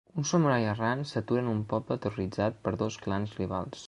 Un samurai errant s'atura en un poble terroritzat per dos clans rivals.